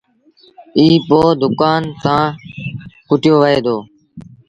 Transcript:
ائيٚݩ پو ڌوڪآݩ سآݩ ڪُٽيو وهي دو۔